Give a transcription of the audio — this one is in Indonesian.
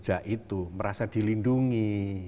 tapi itu berarti itu tidak merasa dilindungi